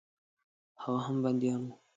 هغه هم بندیان وه.